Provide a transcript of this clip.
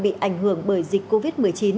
bị ảnh hưởng bởi dịch covid một mươi chín